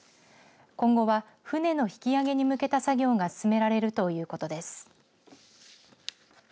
今後は船の引き揚げに向けた作業が進められるということです。